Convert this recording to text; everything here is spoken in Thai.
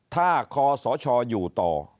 ถ้าคศอยู่ต่อ